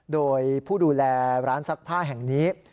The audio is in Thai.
โดยผู้ดูแลร้านซักผ้าแห่งนี้